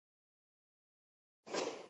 پاکستان د پښتنو او اسلام دوښمن دی